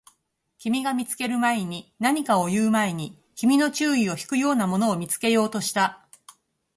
君が見つける前に、何かを言う前に、君の注意を引くようなものを見つけようとした